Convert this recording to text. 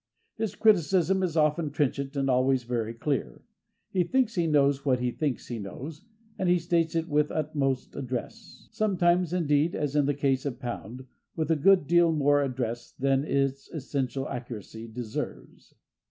His criticism is often trenchant and always very clear. He thinks he knows what he thinks he knows, and he states it with the utmost address—sometimes, indeed, as in the case of Pound, with a good deal more address than its essential accuracy deserves.